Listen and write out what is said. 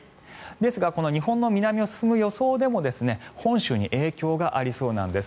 ですが、日本の南を進む予想でも本州に影響がありそうなんです。